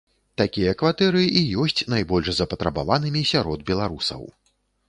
Такія кватэры і ёсць найбольш запатрабаванымі сярод беларусаў.